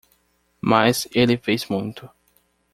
Mas ele fez muito.